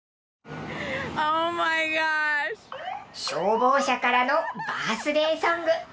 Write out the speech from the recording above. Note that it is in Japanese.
消防車からのバースデーソング。